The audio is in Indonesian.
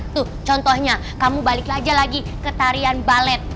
tuh contohnya kamu balik lagi ke tarian balet